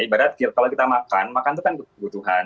ibarat kalau kita makan makan itu kan kebutuhan